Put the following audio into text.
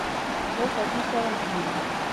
له سفیر سره ګورې.